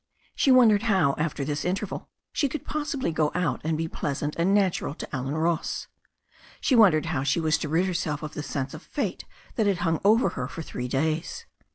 She wondered how, after this interview, she could pos sibly go out and be pleasant and natural to Allen Ross. She wondered how she was to rid herself of the sense of fate that had hung over her for three days.